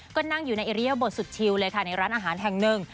ก็นั่งอยู่ในอิริยบทสุดชิวเลยค่ะในร้านอาหารแห่งหนึ่ง